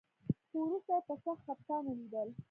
خو وروسته يې په سخت خپګان وليدل.